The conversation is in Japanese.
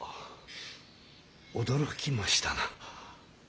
驚きましたな。